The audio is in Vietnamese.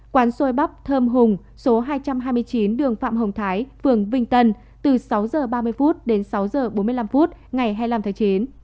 quán xuôi bắp thơm hùng số hai trăm hai mươi chín đường phạm hồng thái phường vinh tân từ sáu h ba mươi đến sáu h bốn mươi năm phút ngày hai mươi năm tháng chín